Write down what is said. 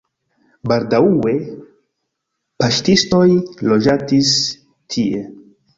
Baldaŭe paŝtistoj loĝadis tie.